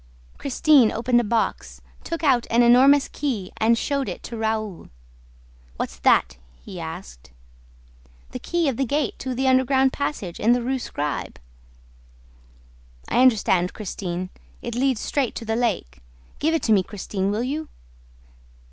Christine opened a box, took out an enormous key and showed it to Raoul. "What's that?" he asked. "The key of the gate to the underground passage in the Rue Scribe." "I understand, Christine. It leads straight to the lake. Give it to me, Christine, will you?"